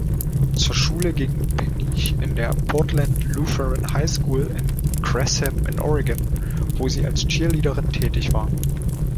Zur Schule ging Peniche in der Portland Lutheran High School in Gresham in Oregon, wo sie als Cheerleaderin tätig war.